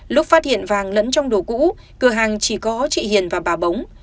lúc phát hiện vàng lẫn trong đồ cũ cửa hàng chỉ có chị hiền và bà bống